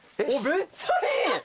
めっちゃいい！